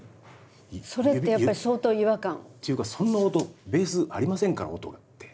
それってやっぱり相当違和感？というか「そんな音ベースありませんから音が」って。